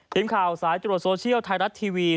ทีมข่าวสายตรวจโซเชียลไทยรัฐทีวี